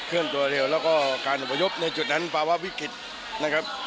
แล้วก็การอุปยบในจุดนั้นปลาว่าวิกฤตนะครับ